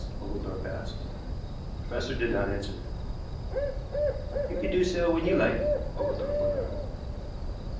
Oglethorpe asked. The professor did not answer. "You can do so when you like," Oglethorpe went on.